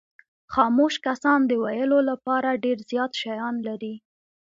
خاموش کسان د ویلو لپاره ډېر زیات شیان لري.